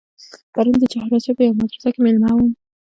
پرون د چهار آسیاب په یوه مدرسه کې مېلمه وم.